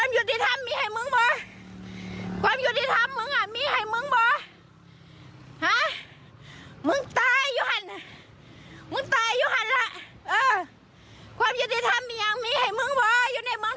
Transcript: อยู่ในเมืองไทยนะ